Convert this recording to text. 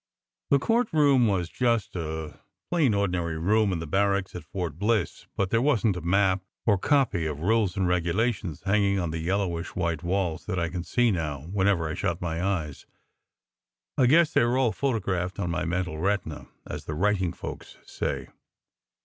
"The courtroom was just a plain ordinary room in the barracks at Fort Bliss; but there wasn t a map or copy of * rules and regulations hanging on the yellowish white walls that I can t see now, whenever I shut my eyes. I guess they were all photographed on my * mental retina, as the writing folks say.